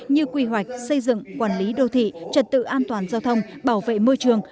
như quy hoạch xây dựng quản lý đô thị trật tự an toàn giao thông bảo vệ môi trường